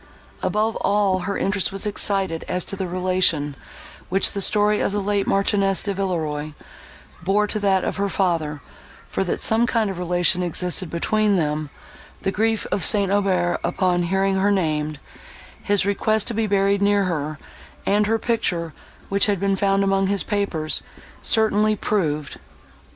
Above all, her interest was excited as to the relation, which the story of the late Marchioness de Villeroi bore to that of her father; for, that some kind of relation existed between them, the grief of St. Aubert, upon hearing her named, his request to be buried near her, and her picture, which had been found among his papers, certainly proved.